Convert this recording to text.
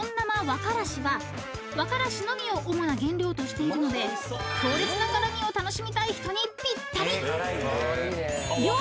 和からしは和からしのみを主な原料としているので強烈な辛味を楽しみたい人にぴったり］